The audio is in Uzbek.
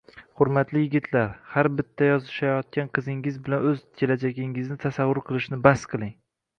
Hurmatli yigitlar, har bitta yozishayotgan qizingiz bilan o'z kelajagingizni tasavvur qilishni bas qiling!